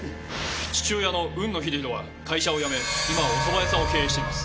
父親の海野秀裕は会社を辞め今はおそば屋さんを経営しています。